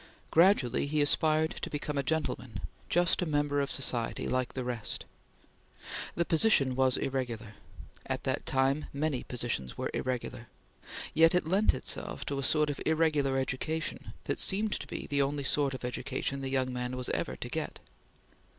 Gradually he aspired to become a gentleman; just a member of society like the rest. The position was irregular; at that time many positions were irregular; yet it lent itself to a sort of irregular education that seemed to be the only sort of education the young man was ever to get.